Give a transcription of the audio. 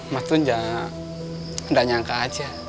mas tuh gak nyangka aja